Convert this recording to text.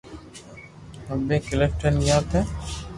پسي ڪلفٽن گيو تي